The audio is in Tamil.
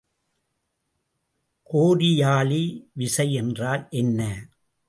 கோரியாலி விசை என்றால் என்ன?